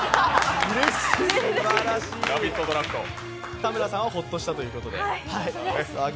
田村さんはほっとしたということで。